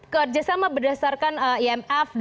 kerjasama berdasarkan imf